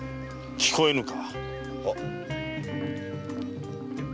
聞こえぬか？